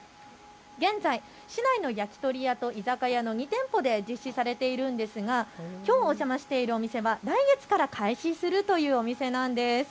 現在、市内の焼き鳥屋と居酒屋の２店舗で実施されているんですがきょうお邪魔しているお店は来月から開始するというお店なんです。